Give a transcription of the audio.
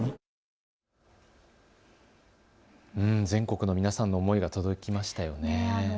全国の皆さんの思いが届きましたよね。